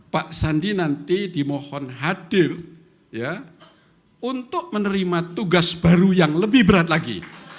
pak sandi nanti dimohon hadir untuk menerima tugas baru yang lebih berat lagi